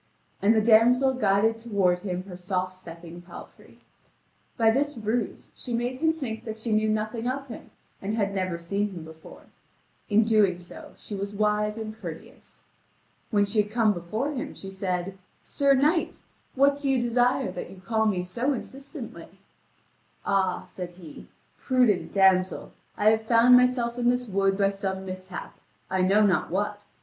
And the damsel guided toward him her soft stepping palfrey. By this ruse she made him think that she knew nothing of him and had never seen him before; in so doing she was wise and courteous. When she had come before him, she said: "Sir knight, what do you desire that you call me so insistently?" "Ah," said he, "prudent damsel, I have found myself in this wood by some mishap I know not what.